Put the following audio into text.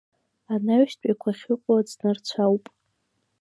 Анаҩстәиқәа ахьыҟоу аӡнырцә ауп…